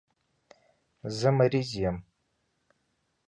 زه مریض یم